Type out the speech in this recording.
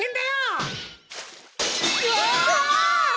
うわ！